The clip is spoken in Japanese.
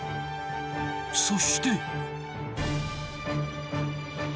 そして。